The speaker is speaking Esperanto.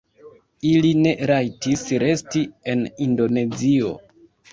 Ili ne rajtis resti en Indonezio.